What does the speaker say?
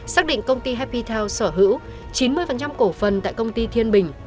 xác định công ty happy town sở hữu chín mươi cổ phần tại công ty thiên bình